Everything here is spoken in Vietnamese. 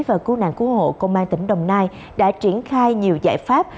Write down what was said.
và cứu nạn cứu hộ công an tỉnh đồng nai đã triển khai nhiều giải pháp